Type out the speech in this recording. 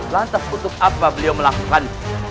lantas untuk apa beliau melakukan